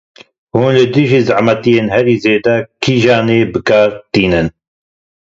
Hûn li dijî zehmetiyan, herî zêde kîjanê bi kar tînin?